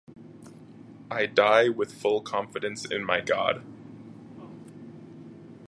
I die with full confidence in my God.